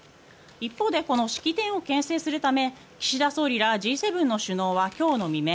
一方でこの式典を牽制するため岸田総理らＧ７の首脳は今日の未明